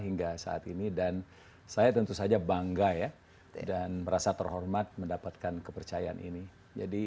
hingga saat ini dan saya tentu saja bangga ya dan merasa terhormat mendapatkan kepercayaan ini jadi